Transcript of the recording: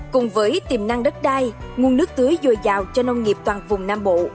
cùng với tiềm năng đất đai nguồn nước tưới dồi dào cho nông nghiệp toàn vùng nam bộ